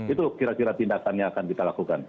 itu kira kira tindakannya akan kita lakukan